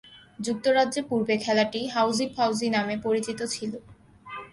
যুক্তরাজ্যে পূর্বে খেলাটি হাউজি-ফাউজি নামে পরিচিত ছিল।